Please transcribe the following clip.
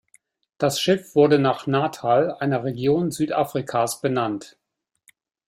Das Schiff wurde nach Natal, einer Region Südafrikas benannt.